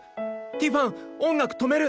ティファン音楽止める！